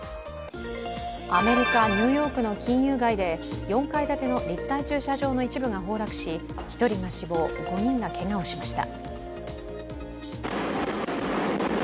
アメリカ・ニューヨークの金融街で４階建ての立体駐車場の一部が崩落し１人が死亡、５人がけがをしました。